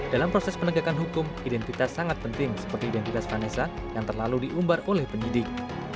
dalam proses penegakan hukum identitas sangat penting seperti identitas vanessa yang terlalu diumbar oleh penyidik